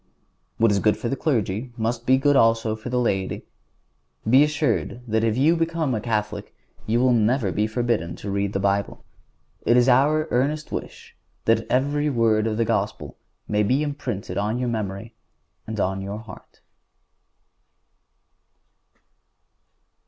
What is good for the clergy must be good, also, for the laity. Be assured that if you become a Catholic you will never be forbidden to read the Bible. It is our earnest wish that every word of the Gospel may be imprinted on your memory and on your heart.